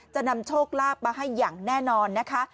จะนำโชคลาภมาให้อย่างแน่นอนนะคะ